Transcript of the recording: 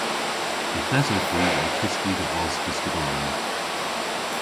Yth esowgh hwi ow tyski dhe vos dyskadoryon.